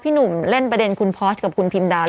หนุ่มเล่นประเด็นคุณพอสกับคุณพิมดาว